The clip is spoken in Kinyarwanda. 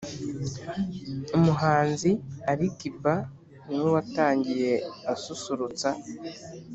umuhanzi ali kiba ni we watangiye asusurutsa